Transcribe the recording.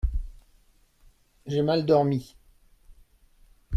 J’ai mal dormi…